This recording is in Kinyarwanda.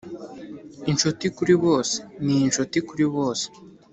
inshuti kuri bose ni inshuti kuri bose